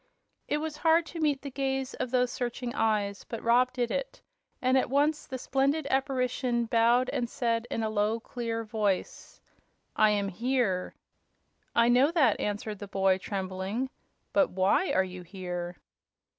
It was hard to meet the gaze of those searching eyes, but Rob did it, and at once the splendid apparition bowed and said in a low, clear voice: "I am here." "I know that," answered the boy, trembling, "but WHY are you here?"